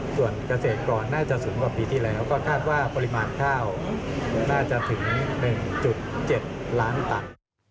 ส่วนเกษตรกรน่าจะสูงกว่าปีที่แล้วก็คาดว่าปริมาณข้าวน่าจะถึง๑๗ล้านตัน